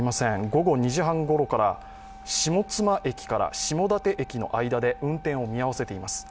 午後２時半ごろから、下妻駅から下館駅の間で運転を見合わせています。